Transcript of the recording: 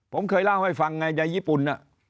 ผมเคยเล่าให้ฟังไงในญี่ปุ่น